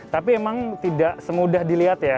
tapi emang tidak semudah dilihat ya